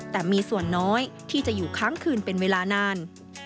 แต่มีส่วนน้อยที่จะอยู่ค้างคืนเป็นเวลานาน